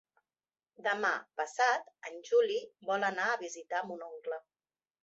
Demà passat en Juli vol anar a visitar mon oncle.